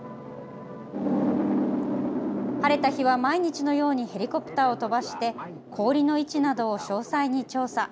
晴れた日は、毎日のようにヘリコプターを飛ばして氷の位置などを詳細に調査。